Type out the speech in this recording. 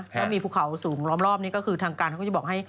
ถ้ามีภูเขาสูงล้อมรอบนี่ก็คือทางการเขาก็จะบอกให้